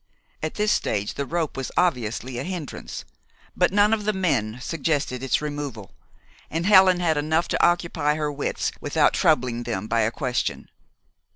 At this stage the rope was obviously a hindrance; but none of the men suggested its removal, and Helen had enough to occupy her wits without troubling them by a question.